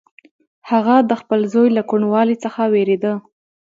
هغه د خپل زوی له کوڼوالي څخه وېرېده.